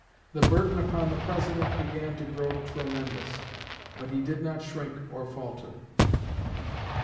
The burden upon the President began to grow tremendous; but he did not shrink or falter.